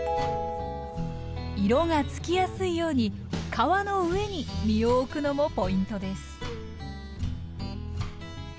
色がつきやすいように皮の上に実を置くのもポイントです